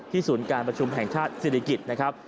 ศูนย์การประชุมแห่งชาติศิริกิจนะครับ